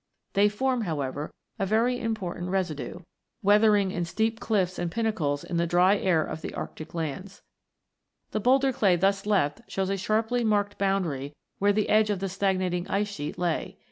They form, however, a very important residue, weathering in 102 ROCKS AND THEIR ORIGINS [OH. steep cliffs and pinnacles in the dry air of the arctic lands. The boulder clay thus left shows a sharply marked boundary where the edge of the stagnating ice sheet lay.